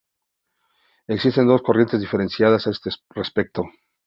Existen dos corrientes diferenciadas a este respecto.